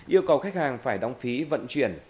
yêu cầu khách hàng phải đóng phí vận chuyển